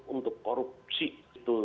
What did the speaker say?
untuk korupsi itu